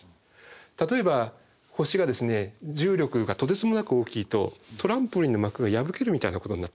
例えば星が重力がとてつもなく大きいとトランポリンの膜が破けるみたいなことになってしまう。